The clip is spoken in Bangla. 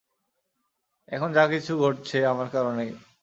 এখন যা কিছু ঘটছে, আমার কারণেই।